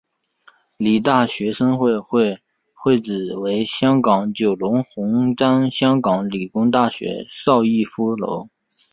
理大学生会会址为香港九龙红磡香港理工大学邵逸夫楼。